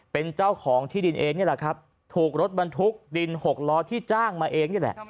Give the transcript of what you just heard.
เป็นเจ้าของที่ดินเองนี่แหละครับถูกรถบรรทุกดินหกล้อที่จ้างมาเองนี่แหละ